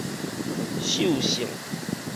獸性